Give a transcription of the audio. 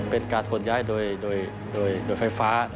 เป็นการขนย้ายโดยไฟฟ้า